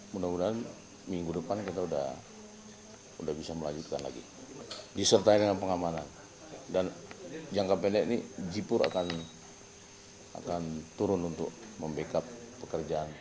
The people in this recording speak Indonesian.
mudah mudahan minggu depan kita udah bisa melanjutkan lagi disertai dengan pengamanan dan jangka pendek ini jipur akan turun untuk membackup pekerjaan